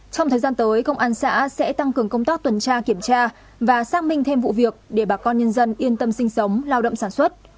trong thời gian tới công an xã sẽ tăng cường công tác tuần tra kiểm tra và xác minh thêm vụ việc để bà con nhân dân yên tâm sinh sống lao động sản xuất